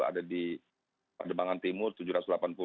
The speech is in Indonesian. ada di padebangan timur tujuh ratus delapan puluh lima